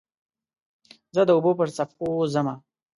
زه د اوبو پر څپو ځمه